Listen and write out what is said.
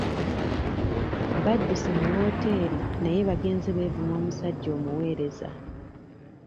Badduse mu wooteri naye bagenze beevuma omusajja omuweereza.